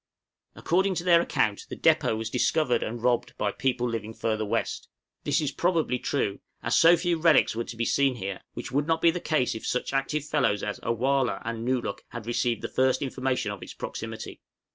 According to their account the depôt was discovered and robbed by people living further west. This is probably true, as so few relics were to be seen here, which would not be the case if such active fellows as A wăh lah and Nōo luk had received the first information of its proximity.